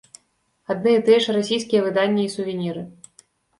Адны і тыя ж расійскія выданні і сувеніры.